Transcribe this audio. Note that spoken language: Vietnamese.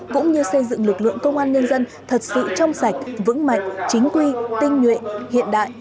cũng như xây dựng lực lượng công an nhân dân thật sự trong sạch vững mạnh chính quy tinh nhuệ hiện đại